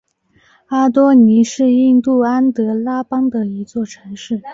阿多尼是印度安得拉邦的一座城市。